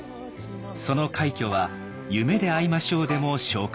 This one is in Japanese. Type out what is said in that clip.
その快挙は「夢であいましょう」でも紹介されました。